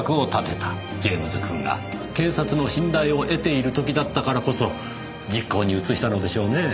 ジェームズくんが警察の信頼を得ている時だったからこそ実行に移したのでしょうねぇ。